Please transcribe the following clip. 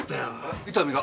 伊丹が？